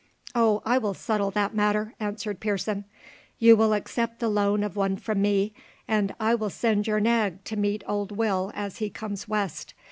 "Oh, I will settle that matter," answered Pearson; "you will accept the loan of one from me, and I will send your nag to meet old Will as he comes west.